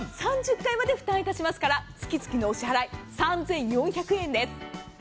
３０回まで負担しますから月々のお支払い３４００円です。